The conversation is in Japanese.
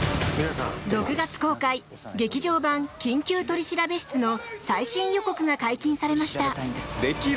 ６月公開劇場版「緊急取調室」の最新予告が解禁されました。